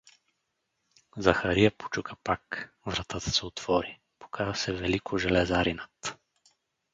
Захария почука пак: вратата се отвори — показа се Велико железаринът.